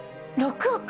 ６億！？